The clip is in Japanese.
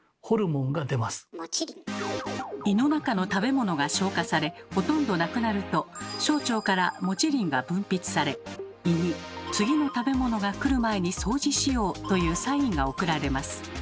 胃の中の食べ物が消化されほとんどなくなると小腸からモチリンが分泌され胃に「次の食べ物が来る前に掃除しよう」というサインが送られます。